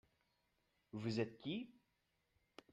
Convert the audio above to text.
Vous êtes qui ?